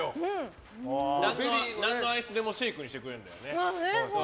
何のアイスでもシェイクにしてくれるんだよね。